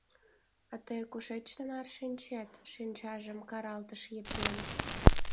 — А тый кушеч тынар шинчет? — шинчажым каралтыш Епрем.